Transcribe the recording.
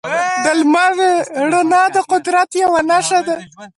د لمر رڼا د قدرت یوه نښه ده.